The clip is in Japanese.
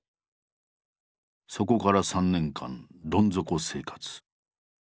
そこから３年間どん底生活。